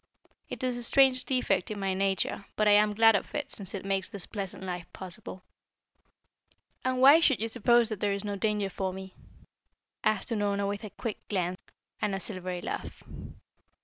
It is a strange defect in my nature, but I am glad of it since it makes this pleasant life possible." "And why should you suppose that there is no danger for me?" asked Unorna, with a quick glance and a silvery laugh.